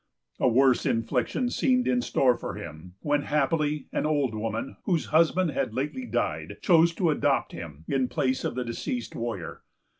A worse infliction seemed in store for him, when happily an old woman, whose husband had lately died, chose to adopt him in place of the deceased warrior.